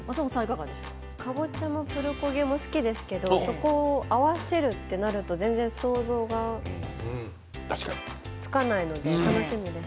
かぼちゃもプルコギも好きですけれどそこを合わせるというとなると想像がつかないので楽しみです。